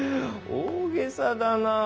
大げさだなあ。